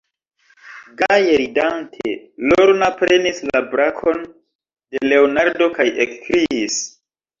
Gaje ridante, Lorna prenis la brakon de Leonardo kaj ekkriis: